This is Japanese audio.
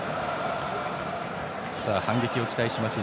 反撃を期待します